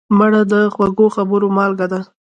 مړه د خوږو خبرو مالګه وه